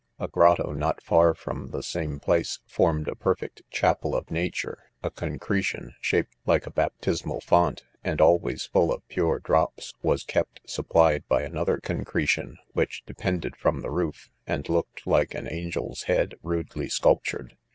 A grotto, not far from the same place, formed a perfect " Chapel of Nature ;" a concretion, shaped like a bap tismal font, and always full of pure drops, was kept sup plied by another concretion, which depended from the roof, and looked like an angel's head rudely sculptured.